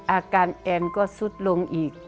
อาการแอนก็ซุดลงอีก